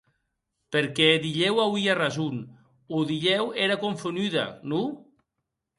Perque dilhèu auia rason o dilhèu ère confonuda, non?